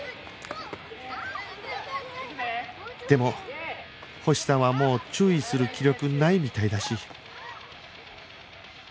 でも星さんはもう注意する気力ないみたいだし